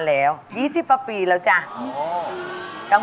แล้วพอร์สชอบฟังเพลงแนวไหนครับ